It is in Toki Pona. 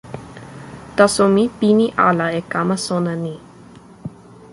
taso mi pini ala e kama sona ni.